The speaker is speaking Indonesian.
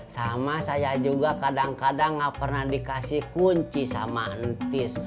sama saya juga kadang kadang gak pernah dikasih kunci sama entis